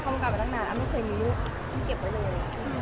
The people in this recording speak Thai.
พี่เอ็มเค้าเป็นระบองโรงงานหรือเปลี่ยนไดที